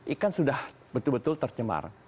ikan sudah betul betul tercemar